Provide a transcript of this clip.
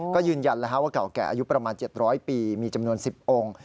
ก็ยืนยันว่าเก่าแก่อายุประมาณ๗๐๐ปีมีจำนวน๑๐องค์